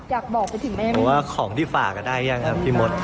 หรือว่าของที่ฝากได้ยังครับพี่มด